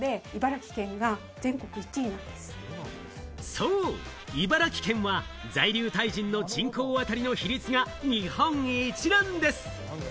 そう、茨城県は在留タイ人の人口あたりの比率が日本一なんです！